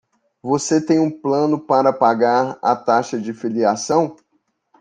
Você tem um plano para pagar a taxa de filiação?